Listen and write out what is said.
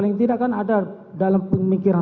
saya akan mencoba untuk mencoba